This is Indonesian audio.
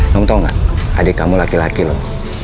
kamu tahu gak adik kamu laki laki loh